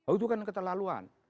itu kan keterlaluan